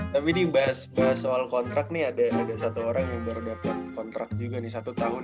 tapi ini bahas soal kontrak nih ada satu orang yang baru dapat kontrak juga nih satu tahun